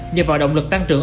nhờ vào động lực tăng trưởng